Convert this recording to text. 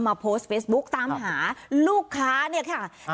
โพสต์เฟซบุ๊กตามหาลูกค้าเนี่ยค่ะ